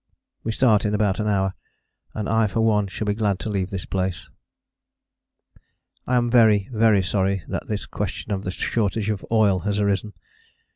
We start in about an hour, and I for one shall be glad to leave this place. I am very very sorry that this question of the shortage of oil has arisen.